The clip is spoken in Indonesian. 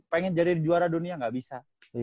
pengen jadi juara dunia gak bisa